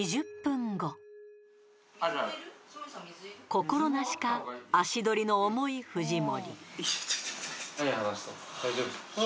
［心なしか足取りの重い藤森］